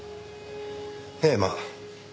ええまあ。